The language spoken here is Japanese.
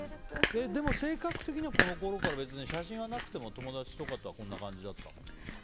でも性格的にはこのころから別に写真はなくても友達とかとはこんな感じだったの？